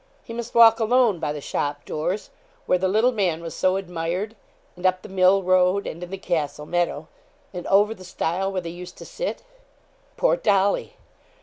He must walk alone by the shop doors where the little man was so admired and up the mill road, and in the castle meadow and over the stile where they used to sit. Poor Dolly!